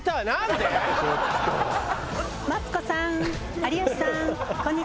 マツコさん有吉さん